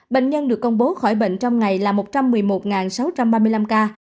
bệnh nhân được công bố khỏi bệnh trong ngày là một trăm một mươi một sáu trăm ba mươi năm ca